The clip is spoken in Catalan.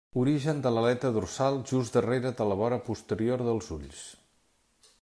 Origen de l'aleta dorsal just darrere de la vora posterior dels ulls.